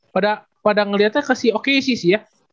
pada pada ngeliatnya ke si oke sih sih ya